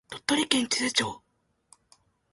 鳥取県智頭町